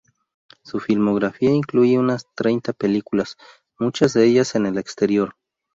Su filmografía incluye unas treinta películas, muchas de ellas en el exterior.